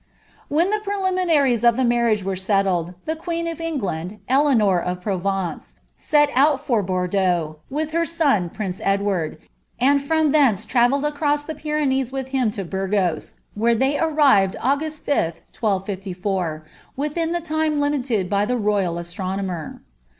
IThen the preliminaries of the marriage were settled, the queen of land, Eleanor of Provence, set out for Bordeaux, with her son prince raid} and from thence travelled across the Pyrenees with him to 108, where they arrived August 5th, 1254, within the time limited be royal astronomer.